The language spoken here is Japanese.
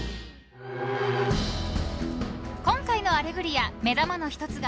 ［今回の『アレグリア』目玉の一つが］